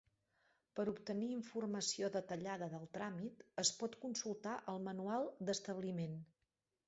Per obtenir informació detallada del tràmit es pot consultar el Manual d'Establiment.